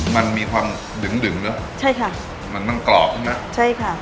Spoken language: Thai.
มันมีความดึงเนื้อใช่ค่ะมันกรอบใช่ไหมใช่ค่ะ